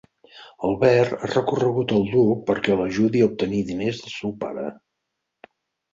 Albert ha recorregut al duc perquè l'ajudi a obtenir diners del seu pare.